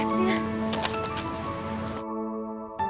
aku mau ke rumah